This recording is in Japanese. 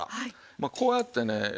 まあこうやってねよ